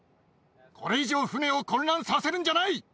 これ以上、船を混乱させるんじゃない。